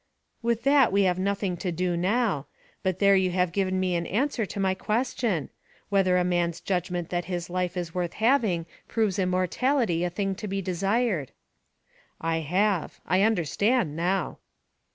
"With that we have nothing to do now, but there you have given me an answer to my question, whether a man's judgment that his life is worth having, proves immortality a thing to be desired." "I have. I understand now."